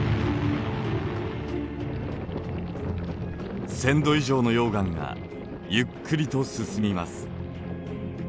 １，０００度以上の溶岩がゆっくりと進みます。